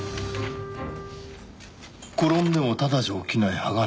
転んでもただじゃ起きない鋼の女。